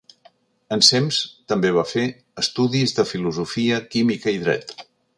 Ensems, també va fer, estudis de filosofia, química i dret.